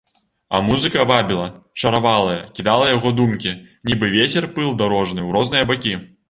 А музыка вабіла, чаравала, кідала яго думкі, нібы вецер пыл дарожны, у розныя бакі.